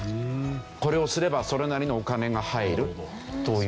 これをすればそれなりのお金が入るという。